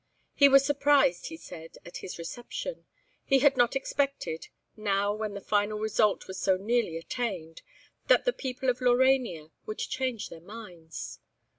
He was surprised, he said, at his reception. He had not expected, now when the final result was so nearly attained, that the people of Laurania would change their minds.